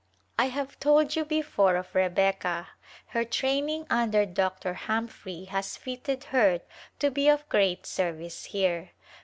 I have told you before of Rebecca. Her training under Dr. Humphrey has fitted her to be of great service here.